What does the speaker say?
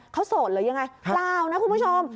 เขาโสดหรือยังไงเปล่านะคุณผู้ชม